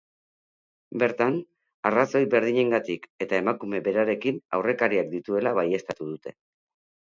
Bertan, arrazoi berdinengatik eta emakume berarekin, aurrekariak dituela baieztatu dute.